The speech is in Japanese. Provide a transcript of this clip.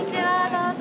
どうぞ。